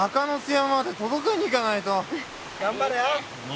頑張れよ。も。